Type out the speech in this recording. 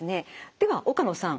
では岡野さん